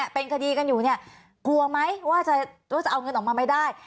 เป็นคดีกันอยู่เนี่ยกลัวไหมว่าจะเอาเงินออกมาไม่ได้